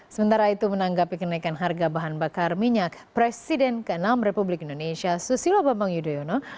sementara itu menanggapi kenaikan harga bahan bakar minyak presiden ke enam republik indonesia susilo bambang yudhoyono